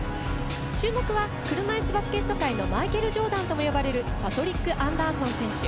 注目は車いすバスケット界のマイケル・ジョーダンとも呼ばれるパトリック・アンダーソン選手。